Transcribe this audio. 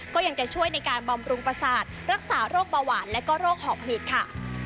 ก็ยังจะช่วยในการบำรุงประสาทรักษาโรคเบาหวานและก็โรคหอบหืดค่ะ